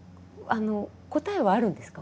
答えはあるんですか？